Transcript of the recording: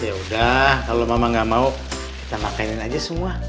yaudah kalau mama nggak mau kita makanin aja semua